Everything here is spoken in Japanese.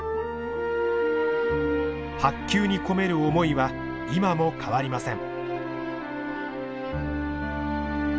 白球に込める思いは今も変わりません。